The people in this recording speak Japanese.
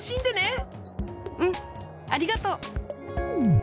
うんありがとう！